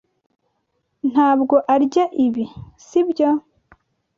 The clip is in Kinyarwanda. Ntabwo arya ibi, sibyo?